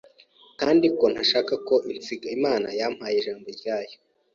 kandi ko ntashaka ko insiga. Imana yampaye ijambo ryayo,